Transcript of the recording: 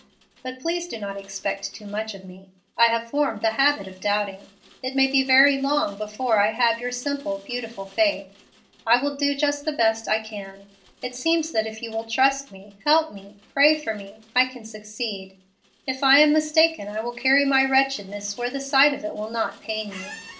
But please do not expect too much of me. I have formed the habit of doubting. It may be very long before I have your simple, beautiful faith. I will do just the best I can! It seems that if you will trust me, help me, pray for me, I can succeed. If I am mistaken, I will carry my wretchedness where the sight of it will not pain you.